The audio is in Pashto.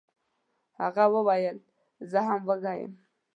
هغه وویل چې زه هم وږی یم.